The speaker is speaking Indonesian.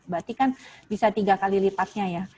berarti kan bisa tiga kali lipatnya ya